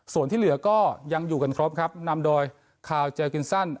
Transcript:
ส่วนที่เหลือก็ยังอยู่กันครบครับนำโดยคาวเจอร์กินซัน